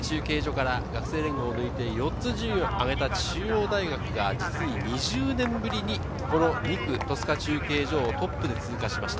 中継所から学生連合を抜いて４つ順位を上げた中央大学が実に２０年ぶりに２区戸塚中継所をトップで通過しました。